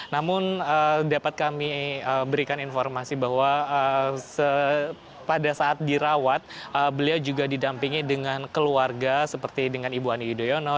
namun dapat kami berikan informasi bahwa pada saat dirawat beliau juga didampingi dengan keluarga seperti dengan ibu ani yudhoyono